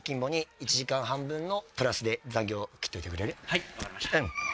はい分かりました。